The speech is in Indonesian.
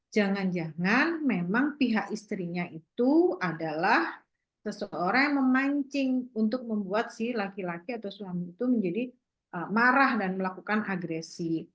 jangan jangan memang pihak istrinya itu adalah seseorang yang memancing untuk membuat si laki laki atau suami itu menjadi marah dan melakukan agresi